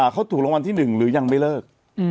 เขาถูกรางวัลที่๑หรือยังไม่เลิก